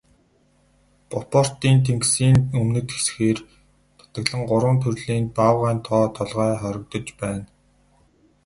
Бофортын тэнгисийн өмнөд хэсгээр нутагладаг гурван төрлийн баавгайн тоо толгой хорогдож байна.